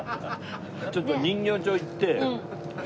ちょっと人形町行って吉さん。